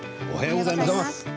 おはようございます。